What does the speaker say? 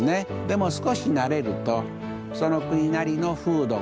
でも少し慣れるとその国なりの風土がある。